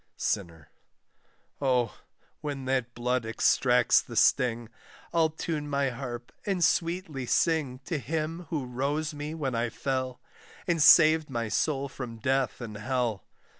SINNER. Oh, when that blood extracts the sting, I'll tune my harp and sweetly sing To Him who rose me when I fell, And saved my soul from death and hell.